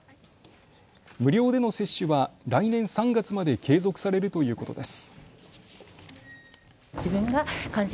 無料での接種は来年３月まで継続されるということです。